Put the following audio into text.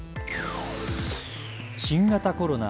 新型コロナ。